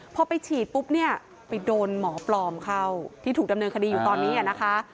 พอไปฉีดปุ๊บเนี่ยไปโดนหมอปลอมเข้าที่ถูกดำเนินคดีอยู่ตอนนี้นะคะ